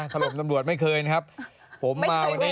ถล่มตำรวจไม่เคยนะครับ